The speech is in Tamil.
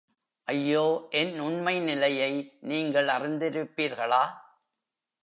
ஐயோ என் உண்மை நிலையை நீங்கள் அறிந்திருப்பீர்களா?